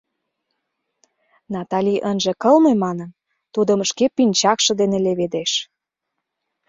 Натали ынже кылме манын, тудым шке пинчакше дене леведеш.